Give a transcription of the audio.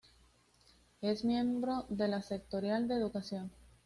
Es miembro de la Sectorial de Educación.